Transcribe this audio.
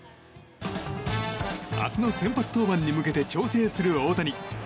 明日の先発登板に向けて調整する大谷。